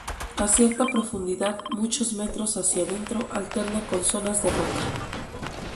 A cierta profundidad, muchos metros hacia dentro, alterna con zonas de roca.